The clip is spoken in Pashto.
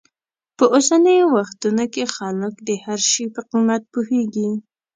په اوسنیو وختونو کې خلک د هر شي په قیمت پوهېږي.